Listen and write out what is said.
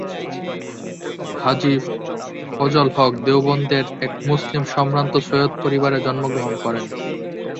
হাজী ফজল হক দেওবন্দের এক মুসলিম সম্ভ্রান্ত সৈয়দ পরিবারে জন্মগ্রহণ করেন।